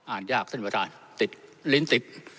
ยากท่านประธานติดลิ้นติด